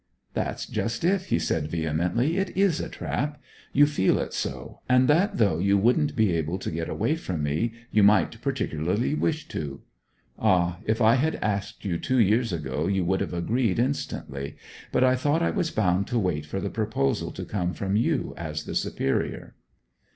'That's just it!' he said vehemently. 'It is a trap you feel it so, and that though you wouldn't be able to get away from me you might particularly wish to! Ah, if I had asked you two years ago you would have agreed instantly. But I thought I was bound to wait for the proposal to come from you as the superior!'